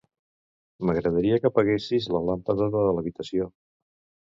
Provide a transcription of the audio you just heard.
M'agradaria que apaguessis la làmpada de l'habitació.